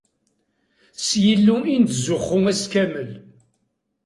S Yillu i nettzuxxu ass kamel.